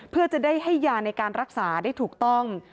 เพื่อจะได้ให้ยาในการรักษาได้ถูกต้อง